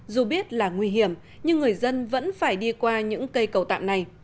dù biết là nguy hiểm nhưng người dân vẫn phải đi qua những cây cầu tạm này